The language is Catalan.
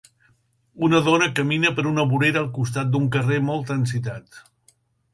Una dona camina per una vorera al costat d'un carrer molt transitat.